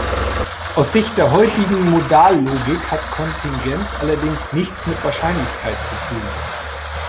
Aus Sicht der heutigen Modallogik hat Kontingenz allerdings nichts mit Wahrscheinlichkeit zu tun.